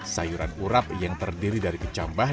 sayuran urap yang terdiri dari kecambah